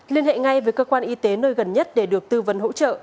liên hệ ngay với cơ quan y tế nơi gần nhất để được tư vấn hỗ trợ